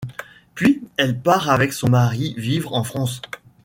Puis, elle part avec son mari, vivre en France.